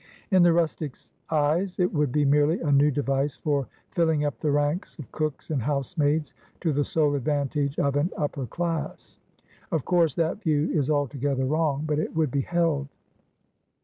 In the rustics' eyes, it would be merely a new device for filling up the ranks of cooks and housemaids, to the sole advantage of an upper class. Of course that view is altogether wrong, but it would be held.